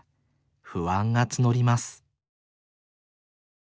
不安が募ります